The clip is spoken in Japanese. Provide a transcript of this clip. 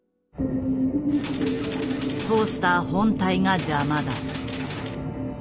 トースター本体が邪魔だ。